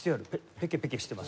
ペケペケしてますね。